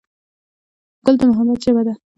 ګل د محبت ژبه ده.